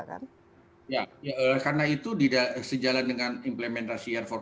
karena itu tidak sejalan dengan implementasi r empat